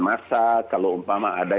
massa kalau umpama ada